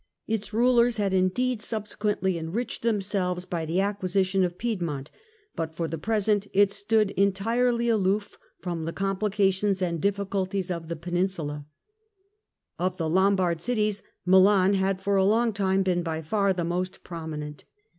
Its rulers had indeed subsequently enriched themselves by the ac quisition of Piedmont : but for the present it stood en tirely aloof from the comphcations and difficulties of the Peninsula. Milan Of the Lombard cities, Milan had for a long time been by far the most prominent.